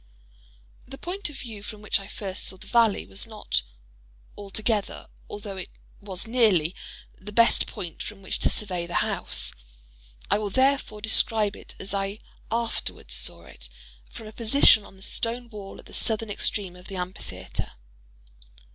The point of view from which I first saw the valley, was not altogether, although it was nearly, the best point from which to survey the house. I will therefore describe it as I afterwards saw it—from a position on the stone wall at the southern extreme of the amphitheatre.